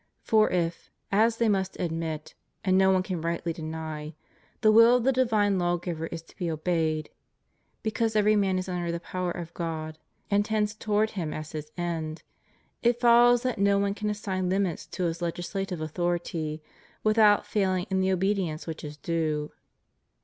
For if — as they must admit, and no one can rightly deny — ^the will of the divine Law giver is to be obeyed, because every man is under the power of God, and tends toward Him as his end, it follows that no one can assign limits to His legislative authority without failing in the obe dience which is due.